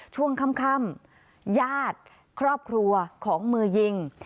ช่วงค่ำญาติครอบครัวของมือยิง